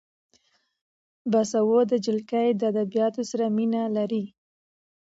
باسواده نجونې د ادبیاتو سره مینه لري.